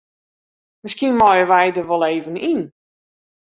Miskien meie we der wol even yn.